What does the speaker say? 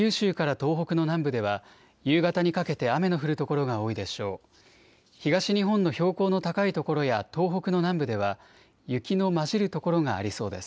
東日本の標高の高い所や東北の南部では雪の交じる所がありそうです。